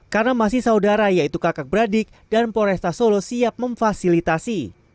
karena masih saudara yaitu kakak beradik dan poresta solo siap memfasilitasi